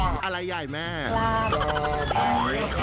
ไม่รู้แต่แกคนต่อไป